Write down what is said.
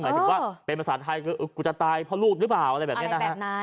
หมายถึงว่าเป็นภาษาไทยคือกูจะตายเพราะลูกหรือเปล่าอะไรแบบนี้นะฮะ